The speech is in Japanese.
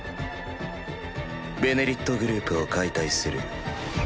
「ベネリット」グループを解体する。